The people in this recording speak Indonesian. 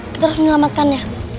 kita harus menyelamatkannya